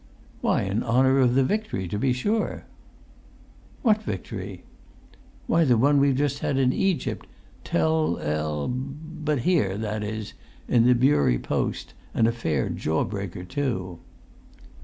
"Why, in honour of the victory, to be sure." "What victory?" "Why, the one we've just had in Egypt. Tel el——but here that is, in the Bury Post, and a fair jaw breaker, too."